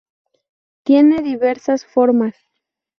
Tiene diversas formas.